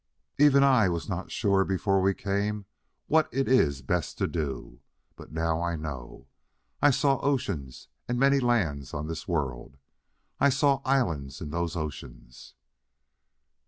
"Even I was not sure before we came what it iss best to do. But now I know. I saw oceans and many lands on this world. I saw islands in those oceans.